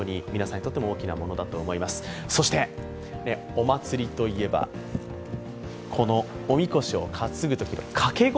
お祭りといえば、この御神輿を担ぐときの掛け声。